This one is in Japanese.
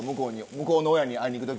向こうの親に会いに行く時。